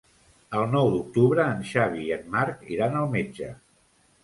El nou d'octubre en Xavi i en Marc iran al metge.